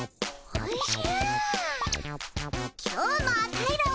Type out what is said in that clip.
おおじゃ！